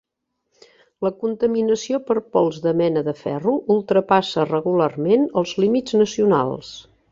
La contaminació per pols de mena de ferro ultrapassa regularment els límits nacionals.